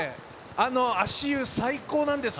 あの足湯最高なんです。